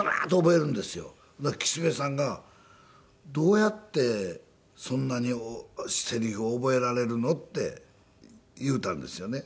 岸部さんが「どうやってそんなにセリフを覚えられるの？」って言うたんですよね。